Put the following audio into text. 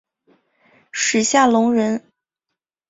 史夏隆人。